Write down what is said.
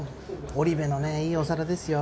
織部のいいお皿ですよ。